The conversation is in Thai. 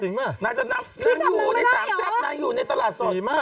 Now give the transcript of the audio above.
น่าจะนำตรงนี้๓ทรัพย์น่าอยู่ในตลาดสด